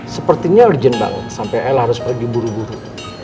sepertinya urgent banget sampai l harus pergi buru buru